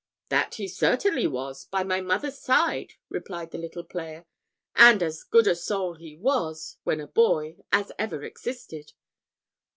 "That he certainly was, by the mother's side," replied the little player, "and as good a soul he was, when a boy, as ever existed."